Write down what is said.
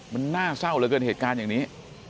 มันน่าเศร้าเหลือเกินเหตุการณ์อย่างนี้